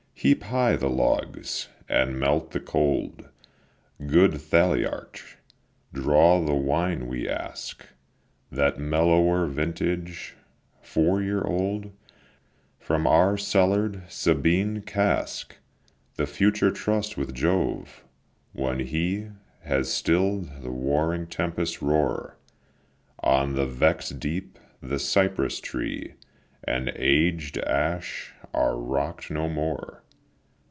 Heap high the logs, and melt the cold, Good Thaliarch; draw the wine we ask, That mellower vintage, four year old, From out the cellar'd Sabine cask. The future trust with Jove; when He Has still'd the warring tempests' roar On the vex'd deep, the cypress tree And aged ash are rock'd no more.